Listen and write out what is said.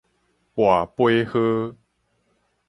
跋桮號